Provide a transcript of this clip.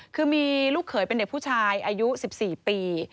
คือมีลูกเขยเป็นเด็กผู้ชายอายุ๑๔ปี